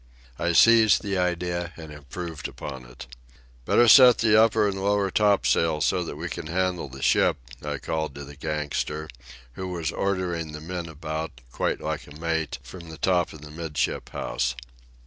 I seized the idea and improved upon it. "Better set the upper and lower topsails so that we can handle the ship," I called to the gangster, who was ordering the men about, quite like a mate, from the top of the 'midship house.